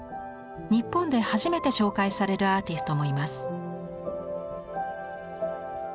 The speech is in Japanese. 日本で初めて紹介されるアーティストもいます。